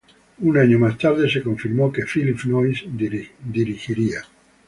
Un año más tarde se confirmó que Phillip Noyce dirigiría.